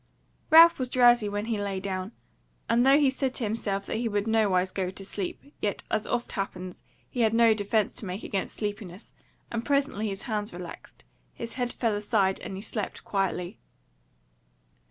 Ralph was drowsy when he lay down, and though he said to himself that he would nowise go to sleep, yet as oft happens, he had no defence to make against sleepiness, and presently his hands relaxed, his head fell aside, and he slept quietly.